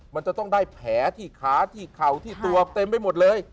มันจะต้องได้แผลที่ขาที่เข่าที่ตัวเต็มไปหมดเลย